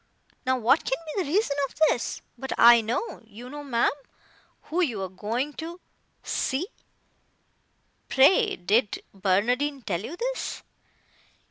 Now what can be the reason of this? But I know, you know, ma'am, who you are going to see." "Pray did Barnardine tell you this?"